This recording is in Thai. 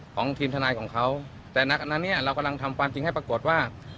ของทีมทนายของเขาแต่อันนั้นเนี่ยเรากำลังทำความจริงให้ปรากฏว่า